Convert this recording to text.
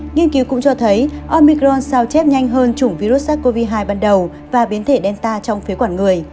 nghiên cứu cũng cho thấy omicron sao chép nhanh hơn chủng virus sars cov hai ban đầu và biến thể delta trong phế quản người